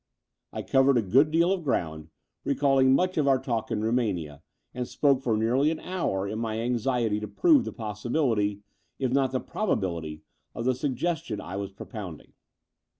I covered a good deal of ground, recalling much of our talk in Rumania and spoke for nearly an hour in my anxiety tc prove the possibility, if not the probability, of the suggestion I was propounding.